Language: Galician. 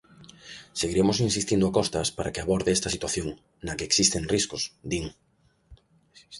"Seguiremos insistindo a Costas para que aborde esta situación, na que existen riscos", din.